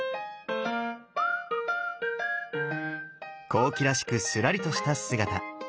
後期らしくスラリとした姿。